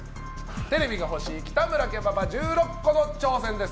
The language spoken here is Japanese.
テレビが欲しい北村家パパ１６個の挑戦です。